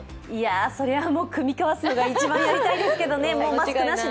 それはもう酌み交わすのが一番やりたいですけどねもうマスクなしで。